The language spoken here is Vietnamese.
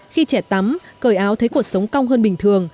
khi trẻ tắm cởi áo thấy cuộc sống cong hơn bình thường